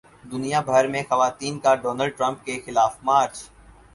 دنیا بھر میں خواتین کا ڈونلڈ ٹرمپ کے خلاف مارچ